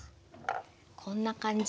こんな感じ。